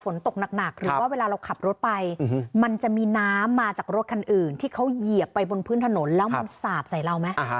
ฝนตกหนักหรือว่าเวลาเราขับรถไปมันจะมีน้ำมาจากรถคันอื่นที่เขาเหยียบไปบนพื้นถนนแล้วมันสาดใส่เราไหม